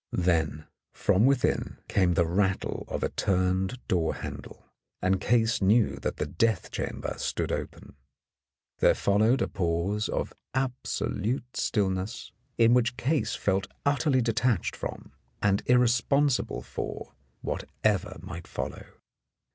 Then from within came the rattle of a turned door handle, and Case knew that the death chamber stood open. There followed a pause of absolute stillness, in which Case felt utterly detached from and irrespon sible for whatever might follow.